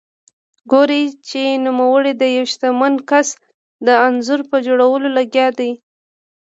ګوري چې نوموړی د یوه شتمن کس د انځور په جوړولو لګیا دی.